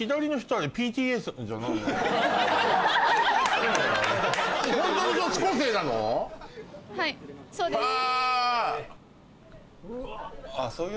はいそうです。はあ。